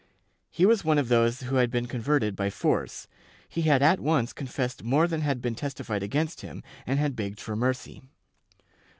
He was one of those who had been converted by force; he had at once confessed more than had been testified against him, and had begged for mercy.